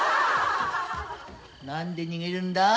何で逃げるんだ？